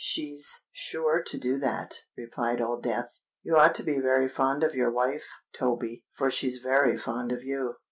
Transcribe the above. "She's sure to do that," replied Old Death. "You ought to be very fond of your wife, Toby—for she's very fond of you."